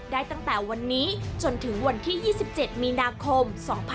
ได้ตั้งแต่วันนี้จนถึงวันที่๒๗มีนาคม๒๕๖๒